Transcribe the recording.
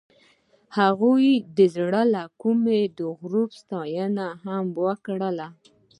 هغې د زړه له کومې د غروب ستاینه هم وکړه.